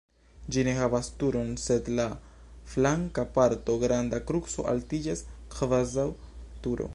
Ĝi ne havas turon, sed en la flanka parto granda kruco altiĝas kvazaŭ turo.